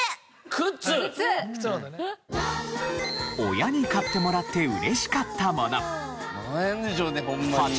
親に買ってもらって嬉しかったもの。